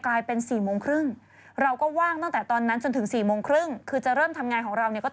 ถามหน่อยมันทำเหล็กได้อย่างไร